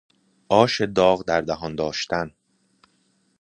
آش داغ در دهان داشتن